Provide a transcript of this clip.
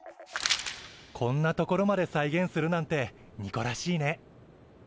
こんな所まで再現するなんてニコらしいね。